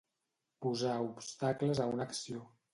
Posar obstacles a una acció.